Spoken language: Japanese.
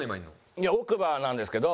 いや奥歯なんですけど。